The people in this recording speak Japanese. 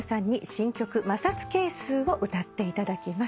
新曲『摩擦係数』を歌っていただきます。